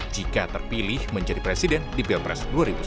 jika terpilih menjadi presiden di pilpres dua ribu sembilan belas